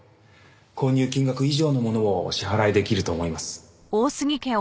購入金額以上のものをお支払いできると思います。